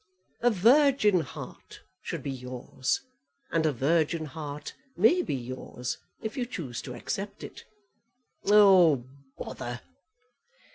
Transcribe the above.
"A virgin heart should be yours; and a virgin heart may be yours, if you choose to accept it." "Oh, bother!"